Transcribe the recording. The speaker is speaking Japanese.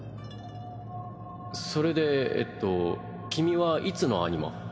それでえっと君はいつのアニマ？